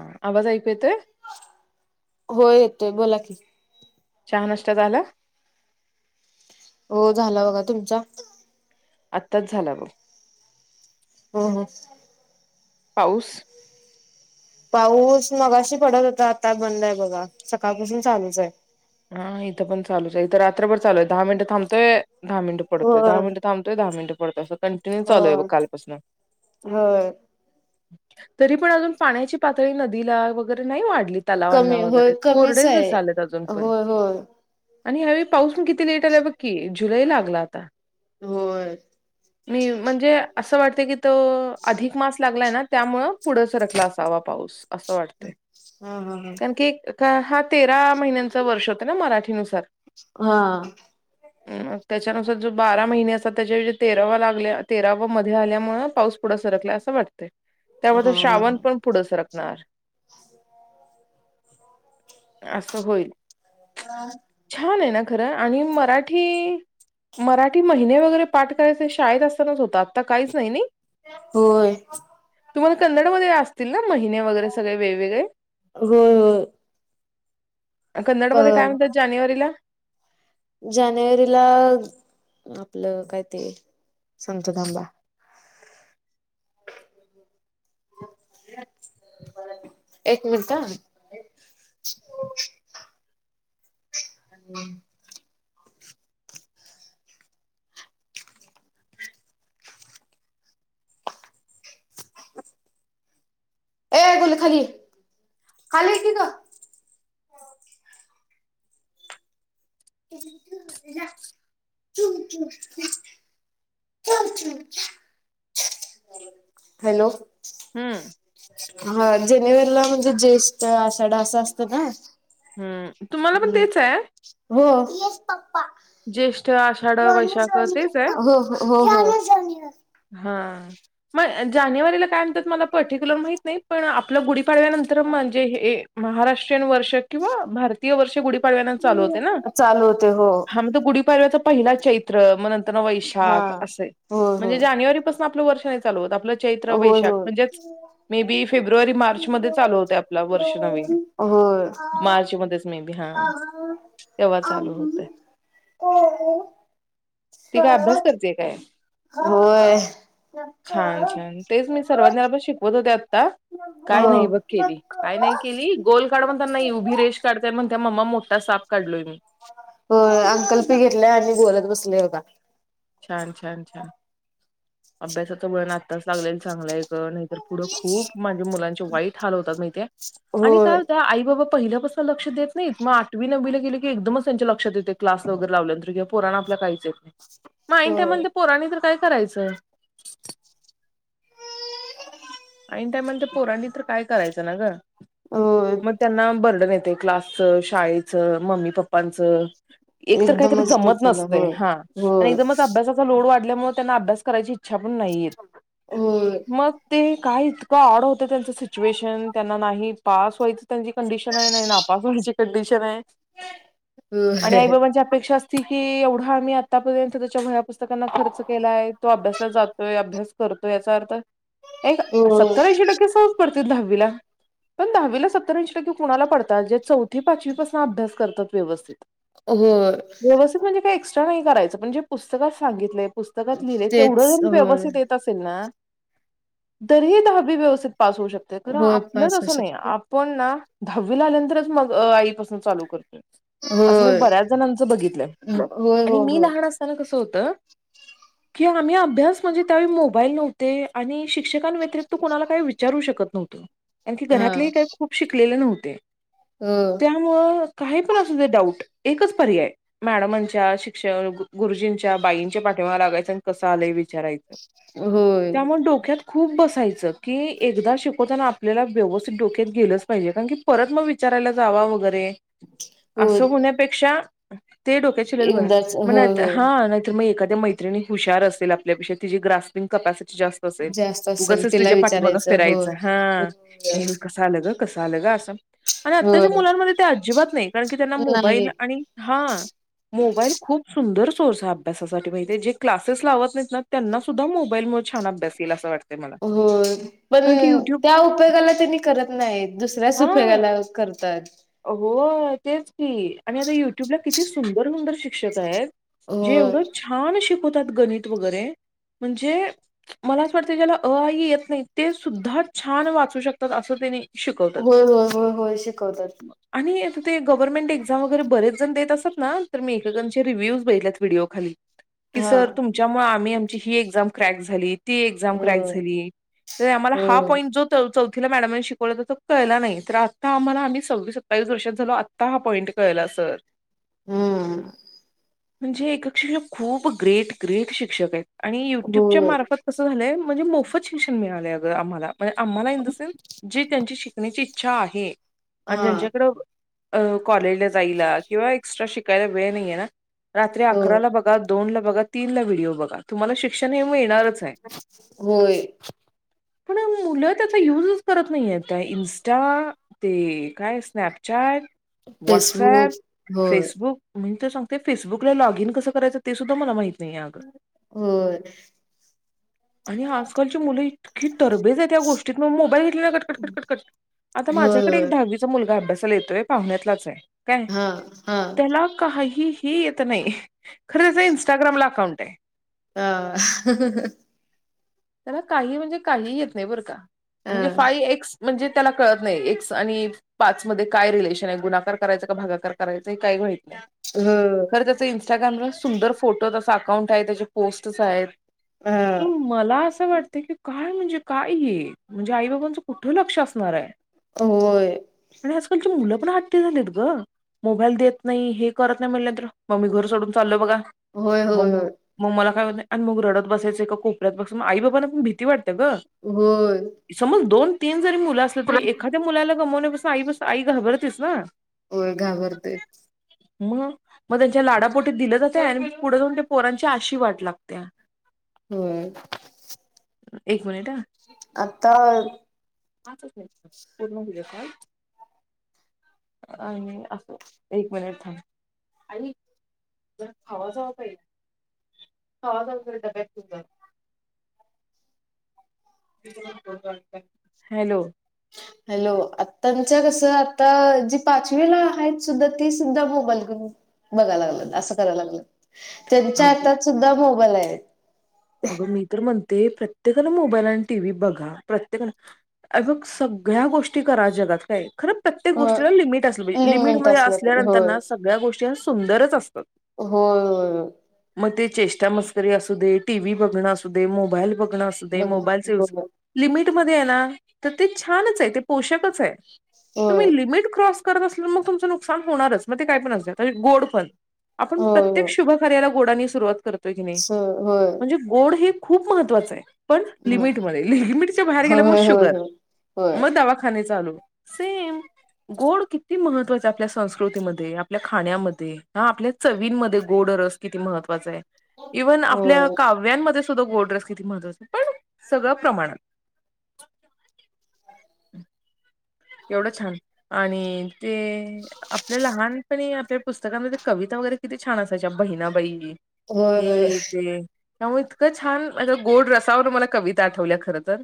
हा आवाज ऐकू येतोय होय येतोय बोला की? चहा नष्ट झाला? हो झाला बघा तुमचा? आत्ताच झाला बघ हो हो पाऊस पाऊस मगाशी पडत होता आता बंद आहे बघा सकाळपासून चालूच आहे हा इथं पण चालूच आहे इथं रात्रभर चालू आहे दहा मिनिटं थांबतोय दहा मिनटं पडतय दहा होय मिनटं थांबतय दहा मिनटं पडतो असं कंटिन्यू चालू आहे बग होय कालपासून होय तरी पण अजून पाण्याची पातळी नदीला वगैरे नाही वाढली तलावांना कमी होय वगैरे कमीच कोरडेच आहे दिसायले अजून पण होय होय आणि ह्यावेळी पाऊसून किती लेट आला बघ की जुलै लागला आता होय. मी म्हणजे असं वाटतं की तो अधिक मासला त्यामुळे पुढं सरकला असावा पाऊस असं वाटत हा हा हा हा तेरा महिन्यांचा वर्ष होतं ना मराठीनुसार हा. मग त्याच्यानुसार जो बारा महिने असतं त्याच्या तेरावा लागल्या तेराव मध्ये आल्यामुळे पाऊस पुढं सरकलाय असं वाटतं हा त्यामुळे हा श्रावण हा पण पुढं सरकणार असं होईल छान आहे ना खरं आणि मराठी मराठी महिने वगैरे पाठ करायचे शाळेत असतानाच होत आत्ता काहीच नाही नाही होय. तुम्हाला कन्नडमध्ये असतील ना महिने वगैरे सगळे वेगवेगळे होय होय कन्नड प मध्ये काय म्हणतात जानेवारीला? जानेवारीला आपलं काय ते सागतो थांबा एक मिनटं हो हम्म. ए गोली खाली ये खाली ये की ग च हॅलो. हम्म. हा जानेवारीला म्हणजे ज्येष्ठ आषाढा असं असताना ना हम्म तुम्हाला पण हम् तेच आहे हो ज्येष्ठ आषाढ वैशाख तेच आहे हो हो हो हा हो जानेवारीला काय म्हणतात मला पर्ट्युलर माहीत नाही पण आपल्या गुडी सर्वात महत्त्वाचं तर म्हणजे हे महाराष्ट्रीयन वर्ष किंवा महाराष्ट्रीयन वर्ष गुढीपाडव पासुन चालू होते ना चालू होते हो गुढीपाव्या पहिला चैत्र मग नंतर हा वैशाख असे होय म्हणजे जानेवारीपासून आपले वर्ष नाही चालू होत आपलं चैत्र होय वैशाख म्हणजे नेहमी फेब्रुवारी मार्चमध्ये चालू होते आपलं वर्ष नवीन मार्चमध्ये नेहमी ह हा तेव्हा चालू होत. ती काय अभ्यास करतेय काय. होय होय होय छान छान तेच मी सर्वज्ञाला पण शिकवल. मध्ये आता काय हो नाही बघ केली काय नाही केली गोल काढ म्हणतांना नाही उभी रेष काढते. त्या मम्मा मोठा साप काढलोय मी. अंकलपी घेतलाय आणि बोलत बसले बघा. छान छान छान अभ्यासाच वळण आत्ताच लागलेल चांगलंय, नाहीत. पुढं खूप म्हणजे मुलांचे वाईट हाल होतात माहीत ते आणि काय होय होत आई- बाबा पहिल्यापासून लक्ष देत नाहीत. मग आठवी नववीला गेले की एकमच त्यांच्या लक्षात येते की, क्लासला वैगेरे लावल्या नंतर, पुराण आपलं काही चेत नाही मग ऐन टाइमला होय त्या पोरांनी तर काय करायचं. ऐन टायमला पोरांनी तर काय करायचं ना ग होय मग त्यांना बर्डन येते. क्लासच, शाळेचं, मम्मी, पप्पांचं एक तर काहीतरी एकदमच जमत डोक्याला नसते होय हा आणि होय एकदमच अभ्यासाचा लोड वाट मुळे त्यांना अभ्यास करायची इच्छा पण नाही येत. होय मग ती काय इतकं ऑड होतं. त्यांचं सिच्युएशन त्यांना नाही पास व्हायचं त्यांची कंडिशन आहे नाही नापास व्हायचं. ची कंडिशन आहे. आणि आई होय बाबांची अपेक्षा असती की एवढा आम्ही आतापर्यंत त्याच्या वया पुस्तकांना खर्च केलाय तो अभ्यासला जातोय अभ्यास करतोय याचा अर्थ एक होय सत्तरऐंशी टक्के सहज पडतील दहावीला पण दहावीला सत्तरऐंशी टक्के कुणाला पडतात ज्या चौ चौथी पाचवीपासून अभ्यास करतात व्यवस्थित होय व्यवस्थित म्हणजे काय, नाही करायचं. पण जे पुस्तकात सांगितलेय पुस्तकात लिहिले. तेवढं तेच जरी होय व्यवस्थित येत असेल ना. तरी दहावी व्यवस्थित पास होऊ शकते. खर होय आपलं पास होऊ तस नाही शकते आपण ना दहावी आल्यां नंतरच मग, अस चालू करत्यात अस मी होय बऱ्याच जणांच बघितलं होय हो आणि मी हो लहान असताना कस होत. कसं होत, कि आम्ही अभ्यास म्हणजे तेंव्हा मोबाईल नव्हते आणि शिक शिक्षकां व्यतिरिक्त कोणाला काही विचारू शकत नव्हतं. कारण, की हा घरातलेही काही खूप शिकलेले नव्हते. हो त्यामुळं, काही पण असू दे डाऊट एकच पर्याय मॅडमांच्या, शिक्षक, गुरुजींच्या, बाईंच्या पाठी तेव्हा लागायच आणि कसं आलंय विचारायचं होय त्यामुळे डोक्यात खूप बसायचं. की एकदा शिकवताना आपल्याला व्यवस्थित डोक्यात गेलंच पाहिजे. कारण की परत मग विचार, करायला जावा वैगरे हो अस होण्यापेक्षा, ते डोक्यात शिरलेल बर एकदाच मग होय नाही हो हा नाहीतर मग एकाच मैत्रिणी हुशार असेल. आपल्यापेक्षा तिची ग्रास्पिंग कॅपिसिटी जास्त असेल. जास्त असेल उगचच तिला तुझ्या पाठीमागे विचारायचं हो फिरायचं हा हे कस आलं ग कसं आलं ग अस आणि होय आत्ताच्या मुलांमध्ये ते अजिबात नाही कारण की त्यांना नाही मोबाईल आणि हा मोबाईल खूप सुंदर चोर अभ्यासासाठी माहितीे जे क्लासेस लावत नाहीत ना त्यांना सुद्धा मोबाईलमुळे छान अभ्यास येईल असं वाटतं मला होय पण त्या उपयोगाला त्यांनी करत नाही दुसऱ्याच हा उपयोगाला करतात हो तेच की आणि आता युट्यूबला किती सुंदर सुंदर शिक्षक आहेत जे होय एवढं छान शिकवतात गणित वगैरे म्हणजे मला असं वाटत ज्याला अइई येत नाही ते सुद्धा छान वाचू शकतात असं त्यानी होय होय होय होय शिकव आणि ते गव्हर्नमेंट एक्झाम वगरेरेच जण देत असतात ना तर मी एकाकांचे रिव्ह्यूज बघितत व्हिडिओ खाली की हा सर तुमच्यामुळे आम्ही आमची ही एझाम क्रॅक झाली ती एक्झाम हो क्रॅक झाली तर आम्हाला हा होय पॉईंट जो त मॅडमने शिकवलं तर तो कळला नाही तर आम्हाला आम् सव्वीस सत्तावीस वर्षात झाला आता हा पॉईंट कळला सर हम म्हणजे एक शिक्षक खूप ग्रेट ग्रेट शिक्षक आहेत आणि युट्यूबच्या होय मार्फत कसं झालंय मोफत शिक्षण मिळालंय आ पणीची इच्छा आहे आणि हा ज्यांच्याकडे कॉलेजला जायला किंवा एक्सट्रा शि कायला वेळ नाही आहे ना रात्री हो अकरा ला बघा दोनला ब बघा, तीनला व्हिडिओ बघा तुम्हाला शिक्षण हे मिळणारचं होय पण मुलं त्याचा युजच करत नाही आहेत. त्या इन्स्टा ते काय स्नॅपचॅट, व्हाट्सएप, फेसबुक होय फेसबुक म्हण तेचं सांगतोय फेसबुकला लॉग इन कसं करायचं ते सुद्धा मला माहिती होय आणि आजकालची मुलं इतकी तरबेज आहेत या गोष्टीत मोबाईल घेतली ना कटकटकटकटकट आता होय, माझ्याकडे एक होय. दहावीचा मुलगा अभ्यासाला येतोय पाहुण्यातलाच आहे काय हा, हा, त्याला काही हिही येत नाही. खरं त्याचं इंस्टाग्राम ला अकाउंट आहे. हा त्याला काही म्हणजे काही येत नाही बरं का म्हणजे फाईव्ह एक्स म्हणजे त्याला कळत नाही एक्स आणि एक्स पाच मध्ये काय रिलेशन आहे गुणाकार करायचा का भागाकार करायचा हे काही माहित नाही हम् खरं त्याचं इंस्टाग्रामला सुंदर फोटो आहेत अस अकाउंट आहे त्याची पोस्ट्स आहेत हा, पण मला अ असं वाटतंय की काय म्हणजे काय हे म्हणजे आई बाबांचं कुठं लक्ष असणार आहे. होय, आणि आजकालची मुलं पण हट्टी झालीयेत गं. मोबाईल देत नाही, हे करत नाही म्हंटल्यानंतर मग मी घर सोडून चालो बघा. होय, होय, म होय, म मला काय [unintelligible] [unintelligible] आणि मग रडत बसायचं एका कोपऱ्यात बसून मग आई बाबाांना पण भीती वाटते हे बघ होय, समज दोन तीन जरी मुलं असली तरी एखाद्या मुलाला गमवण्या आई कसं आई घाबरतेच ना होय घाबरतेचं. म मग त्यांच्या लाडापोटी दिलं जातंय आणि पुढे जाऊन ते पोरांची आशी वाट लागत्या होय एक मिनिट हा. आत्ता पाचच [unintelligible] पूर्ण दिलेस काय आणि असो एक मिनिट थांब आई जरा खावा जावा पाहिजे खावा जावा खरं डब्यातलं घेऊन [unintelligible] हॅलो हॅलो [unintelligible] कसं आत्ता जी पाचवीला आहेत सुद्धा ती सुद्धा मोबाईल घेऊन बघाय लागल्यात असं करायला लागल्यात त्यांच्या अग हातात सुद्धा मोबाईल आहेत अगं मी तर म्हण ते. प्रत्येकानं मोबाईल आणि टीव्ही बघा प्रत्येकानं हे बग सगळ्या गोष्टी करा ज गात काय खर. प्रत्येक अ गोष्टीला लिमिट असलं पाहिजे लिमिट लिमिटमध्ये असल्या पाहिजे. असल्यानंतर होय, ना सगळ्या गोष्टी ना सुंदरचं असतात. होय होय होय. मग ते चेष्टा मस्करी असूदे, टी. व्ही. बघणं असूदे, मोबाईल बघणं असूदे बघ होय, मोबाईलचा यूज लिमिट मध्ये आहे ना तर ते छानचं आहे ते पोषकचं आहे. होय, तुम्ही लिमिट क्रॉस करत असला मग तुमचं नुकसान होणारचं मग ते काय पण असूद्या आता गोड पण आपण होय, होय, प्रत्येक होय, शुभ कार्याला गोडानी सुरवात कर. [unintelligible] म्हणजे गोड हे खूप महत्वाचं आहे. पण लिमिट मध्ये लिमिटच्या बाहेर गेलं मग होय होय शुगर होय होय मग दवाखाने चालू. सेम. गोड किती महत्वाच आहे, आपल्या संस्कृतीमध्ये आपल्या खाण्यामध्ये हा आपल्या चवींमध्ये गोड. रस किती महत्वाचा आहे इव्हन होय आपल्या काव्यांमध्ये सुद्धा गोड रस किती महत्वाचा आहे पण सगळं प्रमाणात [unintelligible] एवढं छान आणि ते आपले लहान पहिले आपल्या पुस्तकांमध्ये कविता वगैरे किती छान असायच्या. बहिणाबाई होय होय हे, ते. त्यामुळे इतकं छान मला गोड रसावर मला कविता आठवल्या खर तर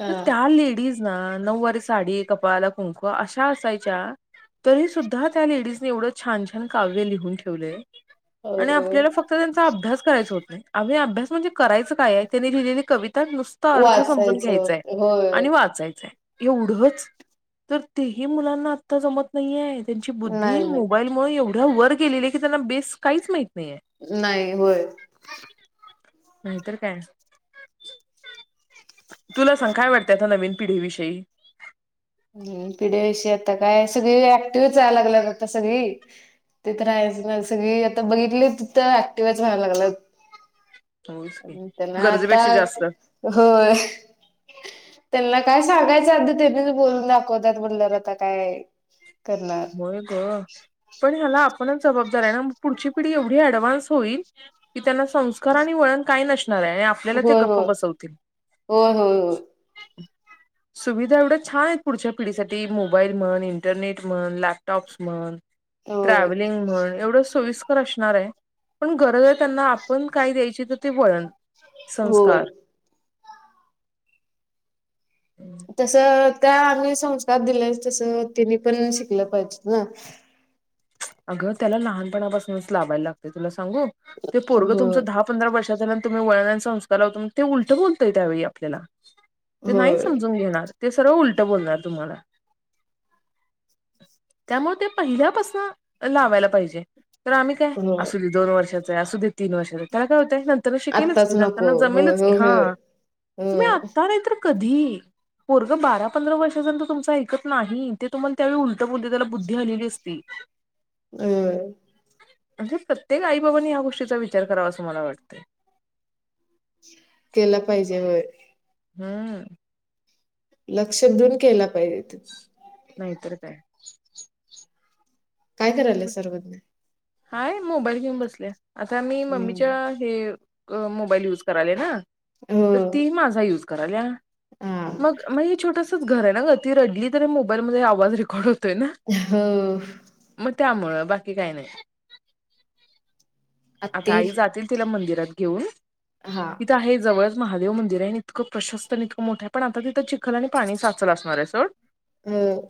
हा त्या लेडीज ना नऊवारी साडी कपाळाला कुंक अशा असायच्या. तरी सुद्धा त्या लेडीजने एवढं छान छान काव्य लिहून ठेवलेय. आणि होय आपल्याला फक्त त्यांचा अभ्यास करायचा होत नाही. आणि अभ्यास म्हणजे करायचं काय? त्यांनी लिहिलेली कविता नुसत अर्थ समजून वाचायचं घ्यायचाय होय आणि वाचायचंय. एवढंच! तर तेही मुलांना आता जमत नाही आहे. त्यांची बुद्धी नाही नाही मोबाईलमुळेून एवढ्या वर गेलेली आहे की, त्यांना बेस काहीच माहिती नाही. होय. नाहीतर काय. तुला सांग काय वाटतं? आता नवीन पिढीविषयी हम्म. पिढ्याविषयी आता काय सगळी ऍक्टिव्हच व्हायला लागल्या करता सगळी. तिथं राहायचं म्हणजे सगळी आता बघितली, तिथं ऍक्टिवच व्हायला लागलात. होच की त्यांना आता गरजेपेक्षा जास्त हो त्यांना काय सांगायचं अगदी तेनीच बोलून दाखवतात. म्हणल आता काय? करणार होय ग, पण ह्याला - म्हणून जबाबदाऱ्या पुढची पिढी एवढी ऍडव्हान्स होईल, की त्यांना संस्कार आणि वळण काही नसणार. अस झालंय आपल्याला ते होय गप्प होय बसवतील. होय होय सुविधा एवढ्या छान आहेत पुढच्या पिढीसाठी मोबाईलमुळं अन इंटरनेट म्हणं, लॅपटॉप्स म्हणं, होय ट्रावलिंग म्हण एवढ सोईस्कर असणार आहे. पण गरज आहे त्यांना आपण काय द्यायची? तर ते वळण. होय होय संस्कार तसं त्या आम्ही संस्कार दिले, तसं तिनी पण शिकलं पाहिजे ना. अगं त्याला लहानपणापासूनच लाभायला लागते तुला सांगू ते हो पोरग तुमचं दहा पंधरा वर्ष तुम्ही वळणा संस्कार ला होता ते उलट बोलतोय त्यावेळी आपल्याला. ते नाही होय समजून घेणार ते सर्व उलट बोलणार तुम्हाला. त्यामुळे ते पहिल्यापासन लावायला पाहिजे, तर आम्ही काय हो असू दे दोन वर्षाच आहे, असू दे तीन वर्षाचं त्याला काय होतंय. शिकेलच की आत्ताच नको नंतरना होय जमेलच की, हो होय. हा तुम्ही होय आता नाही तर कधी? पोरगं बारा पंधरा वर्षाच्या नंतर तुमचं ऐकत नाही. ते तुम्हाला त्यावेळी उलटं बोलते त्याला बुद्धी आलेली असती. हम् म्हणजे प्रत्येक आई बाबांनी या गोष्टीचा विचार करावा असं मला वाटतं. केला पाहिजे व्हय. हम्म. लक्ष देऊन केला पाहिजेत. नाही तर काय? काय करायलय मग सर्वजण? हाय मोबाईल घेऊन बसल्या. आता मी हम्म मम्मीच्या हे मोबाईल युज करायले ना. हो तर ती माझा युज करालिया हा मग म छोटसं च घर आहे ना ग. ती रडली तरी मोबाईल मध्ये आवाज रेकॉर्ड होतोय. हो. त्यामुळे बाकी काही नाही. आत्ती आता आई जातील तिला मंदिर रात घेऊन. हा इथं आहे जवळचं महादेव मंदिर आहे. इतकं प्रशस्त इतकं मोठं आहे, पण आता तिथं चिखल आणि पाणी साचलं असणार आहे असं. हम्म.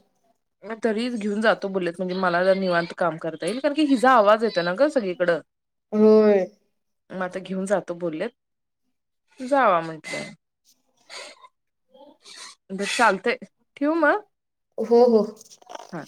मग तरीच घेऊन जातो बोललेत म्हणजे मला निवांत काम करता येईल, कारण की हिचा आवाज येत येतो ना ग सगळीकड. होय मग आता घेऊन जातो बोललेत. जावा म्हटलं. चालतय, ठेवू मग? हो हो. हा.